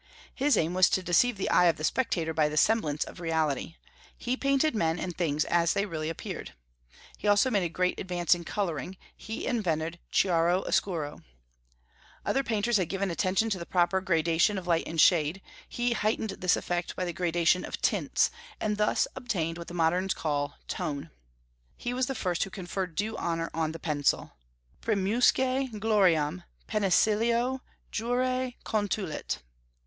His aim was to deceive the eye of the spectator by the semblance of reality: he painted men and things as they really appeared. He also made a great advance in coloring: he invented chiaro oscuro. Other painters had given attention to the proper gradation of light and shade; he heightened this effect by the gradation of tints, and thus obtained what the moderns call tone. He was the first who conferred due honor on the pencil, primusque gloriam penicillo jure contulit.